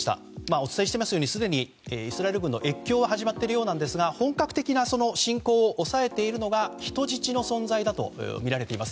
お伝えしているようにイスラエル軍の越境はすでに始まっているようなんですが本格的な侵攻を抑えているのは人質の存在だとみられています。